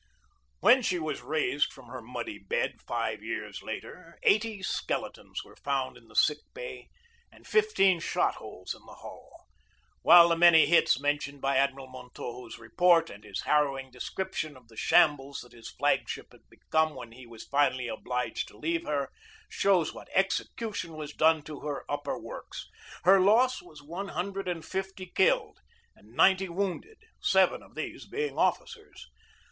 When she was raised from her muddy bed, five years later, eighty skeletons were found in the sick bay and fifteen shot holes in the hull; while the many hits mentioned in Admiral Montojo's report, and his harrowing description of the shambles that his flag ship had become when he was finally obliged to leave her, shows what execution was done to her upper works. Her loss was one hundred and fifty killed and ninety wounded, seven of these being of ficers.